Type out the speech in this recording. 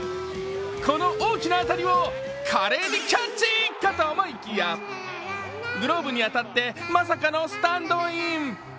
この大きな当たりを華麗にキャッチかと思いきや、グローブに当たって、まさかのスタンドイン。